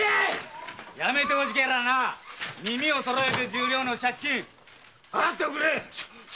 やめてほしけりゃ耳をそろえて十両の借金払っておくれ！